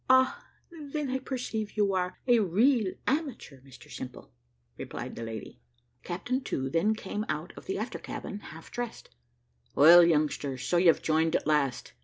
"Ah! then I perceive you are a real amateur, Mr Simple," replied the lady. Captain To then came out of the after cabin, half dressed. "Well, youngster, so you've joined at last.